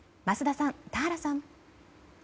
桝田さん、田原さん。